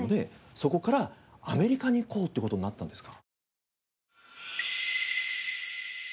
そこからアメリカに行こうっていう事になったんですか？